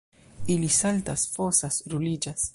Ili saltas, fosas, ruliĝas.